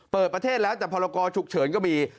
เปิดประเทศแล้วแต่พรกรฉุกเฉินก็มี